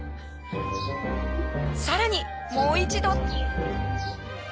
さらにもう一度。